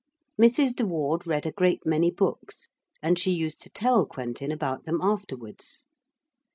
Mrs. de Ward read a great many books, and she used to tell Quentin about them afterwards.